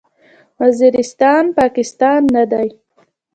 وزیرستان، پاکستان نه دی.